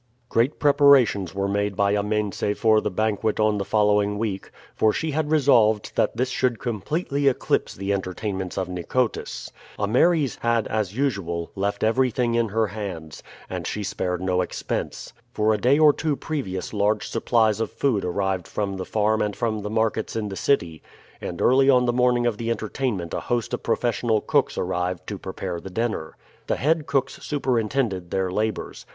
Great preparations were made by Amense for the banquet on the following week, for she had resolved that this should completely eclipse the entertainments of Nicotis. Ameres had, as usual, left everything in her hands, and she spared no expense. For a day or two previous large supplies of food arrived from the farm and from the markets in the city; and early on the morning of the entertainment a host of professional cooks arrived to prepare the dinner. The head cooks superintended their labors.